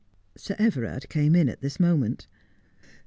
Sir Everard came in at this moment.